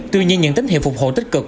tuy nhiên những tính hiệu phục hộ tích cực